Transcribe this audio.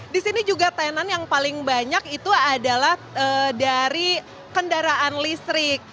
di sini juga tenan yang paling banyak itu adalah dari kendaraan listrik